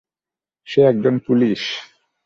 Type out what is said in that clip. সে একজন পুলিশ!